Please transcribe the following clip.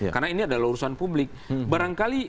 karena ini adalah urusan publik barangkali